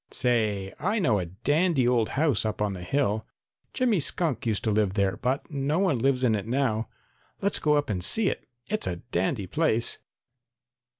Say, I know a dandy old house up on the hill. Jimmy Skunk used to live there, but no one lives in it now. Let's go up and see it. It's a dandy place."